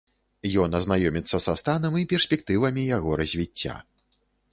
Ён азнаёміцца са станам і перспектывамі яго развіцця.